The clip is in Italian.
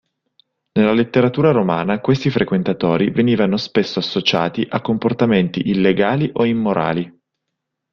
Nella letteratura romana questi frequentatori venivano spesso associati a comportamenti illegali o immorali.